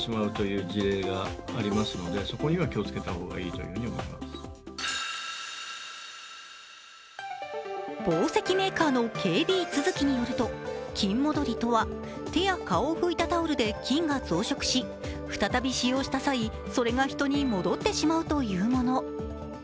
そのままにしておくと紡績メーカーのＫＢツヅキによると菌戻りとは手や顔を拭いたタオルで菌が増殖し、再び使用した際、それが人に戻ってしまうというもの。